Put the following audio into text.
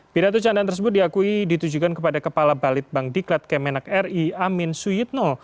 pidato candaan tersebut diakui ditujukan kepada kepala balit bank diklat kemenang ri amin syidno